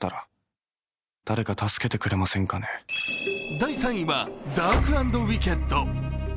第３位は「ダーク・アンド・ウィケッド」。